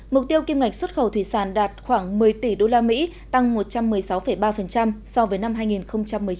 mục tiêu kim ngạch xuất khẩu thủy sản đạt khoảng một mươi tỷ usd tăng một trăm một mươi sáu ba so với năm hai nghìn một mươi chín